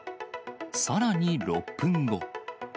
さらに６分後。